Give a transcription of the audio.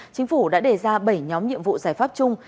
chính phủ đã đề ra bảy nhóm nhiệm vụ giải pháp chung